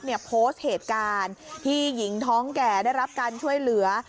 โพสต์เหตุการณ์ที่หญิงท้องแก่ได้รับการช่วยเหลือ